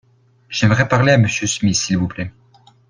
J'aimerais parler à M. Smith s'il vous plait.